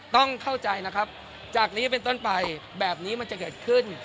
ต้องเข้าใจนะครับจากนี้เป็นต้นไปแบบนี้มันจะเกิดขึ้น